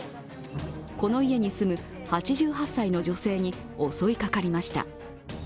この家に住む８８歳の女性に襲いかかりました。